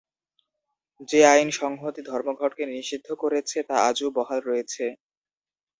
যে আইন সংহতি ধর্মঘটকে নিষিদ্ধ করেছে তা আজও বহাল রয়েছে।